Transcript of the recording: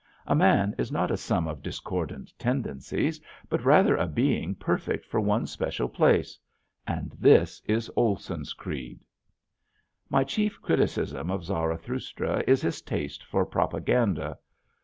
A man is not a sum of discordant tendencies but rather a being perfect for one special place; and this is Olson's creed. My chief criticism of Zarathustra is his taste for propaganda.